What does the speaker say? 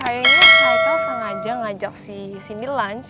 kayaknya haikel sengaja ngajak si cindy lunch